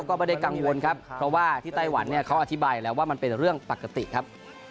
ก็ไม่ได้กังวลครับเพราะว่าที่ไต้หวันเนี่ยเขาอธิบายแล้วว่ามันเป็นเรื่องปกติครับ